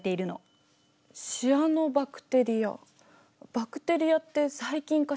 バクテリアって細菌かしら？